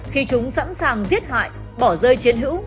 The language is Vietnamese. khi chúng sẵn sàng giết hại bỏ rơi chiến hữu